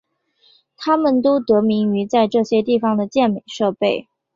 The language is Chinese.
它们都得名于在这些地方的健美设备。